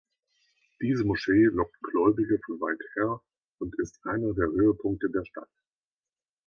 Diese Moschee lockt Gläubige von weit her und ist einer der Höhepunkte der Stadt.